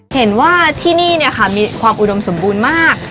เห็นว่าที่นี่มีความอุดมสมบูรณ์มาก